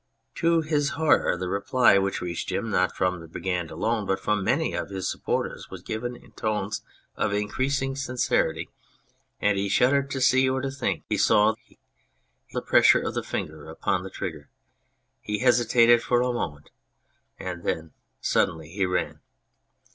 To his horror the reply which reached him, not from the Brigand alone but from many of his supporters, was given in tones of increasing sincerity, and he 194 The Brigand of Radicofani shuddered to see, or to think he saw, the pressure of the finger upon the trigger. He hesitated for a moment, and then suddenly he ran.